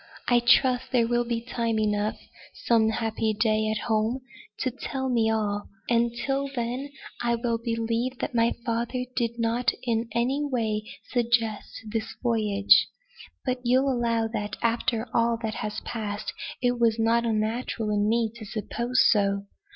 I trust there will be time enough, some happy day at home, to tell me all. And till then, I will believe that my father did not in any way suggest this voyage. But you'll allow that, after all that has passed, it was not unnatural in me to suppose so.